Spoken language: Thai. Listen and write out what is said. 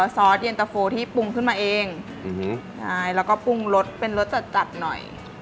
ซอสเย็นตะโฟที่ปรุงขึ้นมาเองใช่แล้วก็ปรุงรสเป็นรสจัดจัดหน่อย